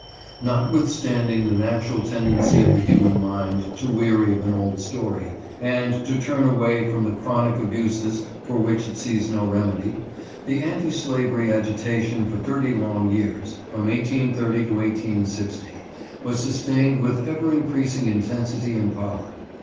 H^TOTWITHSTANDING the natural tendency of the _UN human mind to weary of an old story, and to turn away from chronic abuses for which it sees no remedy, the anti slavery agitation for thirty long years (from 1830 to 1860) was sustained with ever increasing intensity and power.